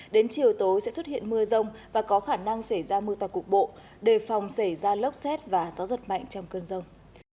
đến chiều tối sẽ xuất hiện mưa rông và có khả năng xảy ra mưa to cục bộ đề phòng xảy ra lốc xét và gió giật mạnh trong cơn rông